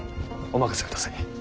お任せください。